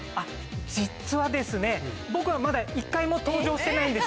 実はですね、僕はまだ、一回も登場してないんです。